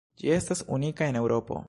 Ĝi estas unika en Eŭropo.